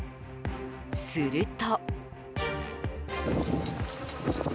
すると。